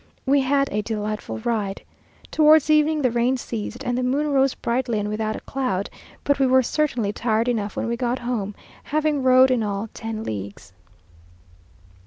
We had a delightful ride. Towards evening the rain ceased, and the moon rose brightly and without a cloud; but we were certainly tired enough when we got home, having rode in all ten leagues.